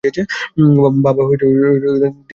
বাবা দিন-রাত নিজের ঘরেই থাকেন।